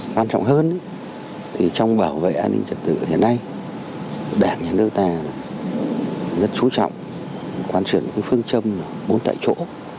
quan trọng hơn thì trong bảo vệ an ninh trật tự hiện nay đảng nhà nước ta rất xú trọng quan truyền những phương châm bốn tại chỗ